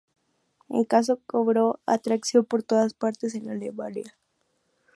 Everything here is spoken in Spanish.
El caso cobró atracción por todas partes en Alemania.